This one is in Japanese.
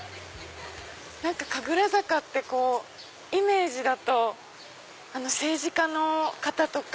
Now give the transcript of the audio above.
神楽坂ってイメージだと政治家の方とか。